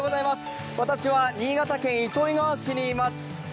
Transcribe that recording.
私は新潟県糸魚川市にいます。